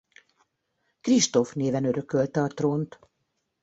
Kristóf néven örökölte a trónt.